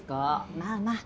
まあまあ。